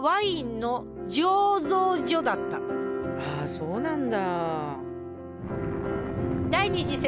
あそうなんだ。